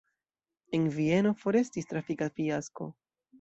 En Vieno forestis trafika fiasko.